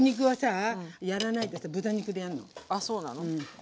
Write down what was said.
ああそうなの？